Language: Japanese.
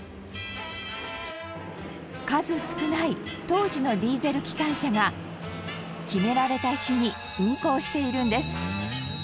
数少ない当時のディーゼル機関車が決められた日に運行しているんです太田：